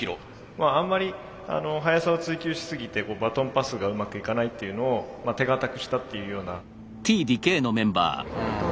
まああんまり速さを追求しすぎてバトンパスがうまくいかないっていうのを手堅くしたっていうような。